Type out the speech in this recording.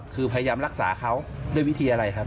คือพยายามรักษาเขาด้วยวิธีอะไรครับ